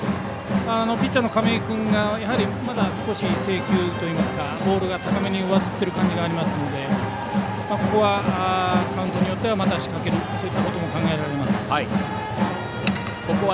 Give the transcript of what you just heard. ピッチャーの亀井君がまだ少し制球といいますかボールが高めに上ずっている感じがありますのでここは、カウントによってはまた仕掛けることも考えられます。